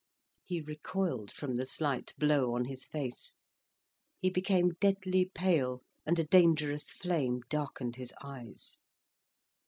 He recoiled from the slight blow on his face. He became deadly pale, and a dangerous flame darkened his eyes.